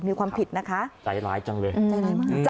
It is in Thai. มีความผิดนะคะใจร้ายจังเลยใจร้ายมาก